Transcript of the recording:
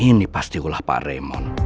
ini pasti gulah pak raymond